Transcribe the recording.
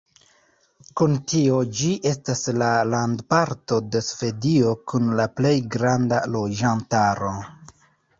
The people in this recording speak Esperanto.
Kun tio, ĝi estas la landoparto de Svedio kun la plej granda loĝantaro.